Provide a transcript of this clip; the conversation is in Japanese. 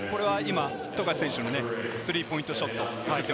今、富樫選手のスリーポイントショット。